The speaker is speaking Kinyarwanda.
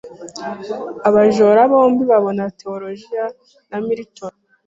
Abajora bombi babona tewolojiya ya Milton